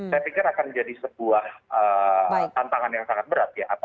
saya pikir akan menjadi sebuah tantangan yang sangat berat ya